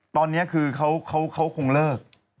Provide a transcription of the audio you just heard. ตอนนี้คือเขาคงเลิก